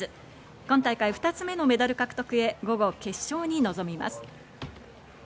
今大会２つ目のメダル獲得へ午後、決勝に臨みます。